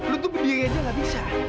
lo tuh bediang aja gak bisa